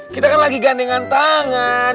kita kan lagi gandengan tangan